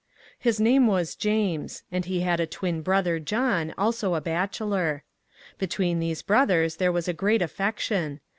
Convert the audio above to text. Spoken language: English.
His name was James, and he had a twin brother John, also a bachelor. Between these brothers there was a great affection.